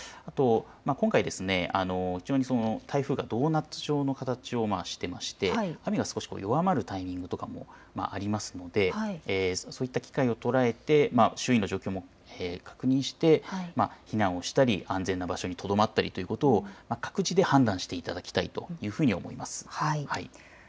今回、非常に台風がドーナツ状の形をしていまして、雨が少し弱まるタイミングとかもありますのでそういった機会を捉えて周囲の状況を確認して避難をしたり安全な場所にとどまったりということを判断していただきたいと思います。